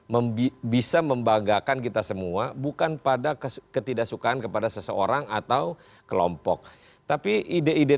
membanggakan kita semua bukan pada ketidaksukaan kepada seseorang atau kelompok tapi ide ide